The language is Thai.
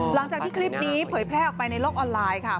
หลังจากที่คลิปนี้เผยแพร่ออกไปในโลกออนไลน์ค่ะ